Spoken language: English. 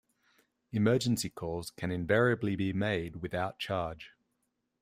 Emergency calls can invariably be made without charge.